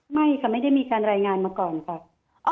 ไม่ค่ะไม่ได้มีการรายงานมาก่อนค่ะ